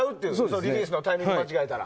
リリースのタイミングを間違えちゃうとね。